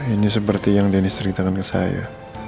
ini seperti yang denny ceritakan ke saya